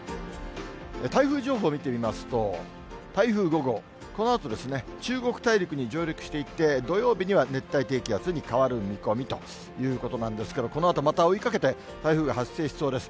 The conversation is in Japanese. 台風情報見てみますと、台風５号、このあと中国大陸に上陸していって、土曜日には熱帯低気圧に変わる見込みということなんですけれども、このあとまた追いかけて台風が発生しそうです。